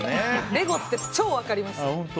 レゴって超分かります。